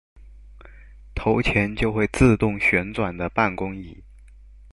投錢就會自動旋轉的辦公椅